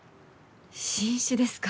新種ですか？